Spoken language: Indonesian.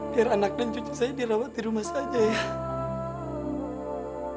biar anak dan cucu saya dirawat di rumah saja ya